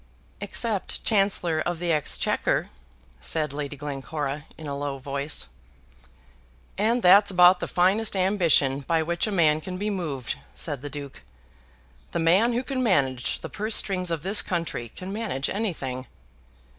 "Except Chancellor of the Exchequer," said Lady Glencora in a low voice. "And that's about the finest ambition by which a man can be moved," said the Duke. "The man who can manage the purse strings of this country can manage anything."